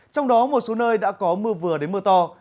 trong đó một số nơi đã có mưa vừa đến mưa to